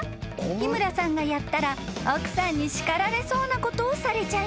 日村さんがやったら奥さんに叱られそうなことをされちゃいます］